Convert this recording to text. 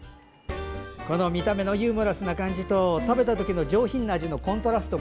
この見た目のユーモラスな感じと食べた時の上品な味のコントラスト